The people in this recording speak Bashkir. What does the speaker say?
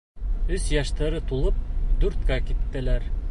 Өс йәштәре тулып, дүрткә киттеләр.